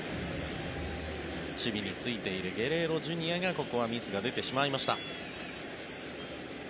守備に就いているゲレーロＪｒ．がここはミスが出てしまいました。